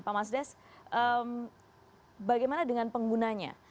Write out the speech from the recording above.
pak mas des bagaimana dengan penggunanya